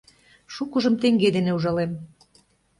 Шукыжым теҥге дене ужалем.